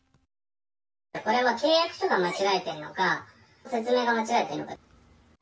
これは契約書が間違えているのか説明が間違っているのか。